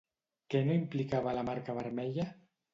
Què no implicava la marca vermella?